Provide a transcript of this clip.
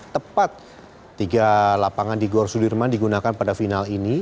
tepat tiga lapangan di gorsudirman digunakan pada final ini